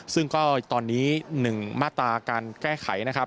ซึ่งก็ตอนนี้๑มาตราการแก้ไขนะครับ